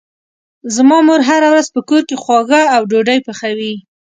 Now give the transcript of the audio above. زما مور هره ورځ په کور کې خواږه او ډوډۍ پخوي.